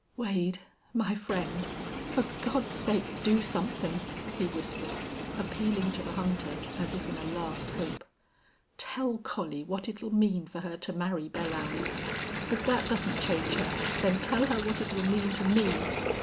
"Wade, my friend, for God's sake do something," he whispered, appealing to the hunter as if in a last hope. "Tell Collie what it'll mean for her to marry Belllounds. If that doesn't change her, then tell her what it'll mean to me.